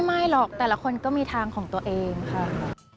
ไม่หรอกแต่ละคนก็มีทางของตัวเองค่ะ